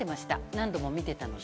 何度も見てたので。